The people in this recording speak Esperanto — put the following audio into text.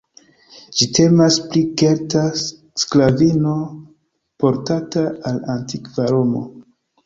Ĝi temas pri kelta sklavino, portata al antikva Romo.